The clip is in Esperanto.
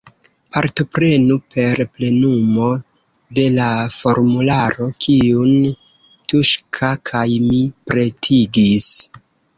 Partoprenu per plenumo de la formularo, kiun Tuŝka kaj mi pretigis.